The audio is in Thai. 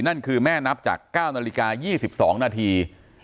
นั่นคือแม่นับจากเก้านาฬิกายี่สิบสองนาที